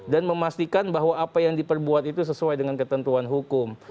dan memastikan bahwa apa yang diperbuat itu sesuai dengan ketentuan hukum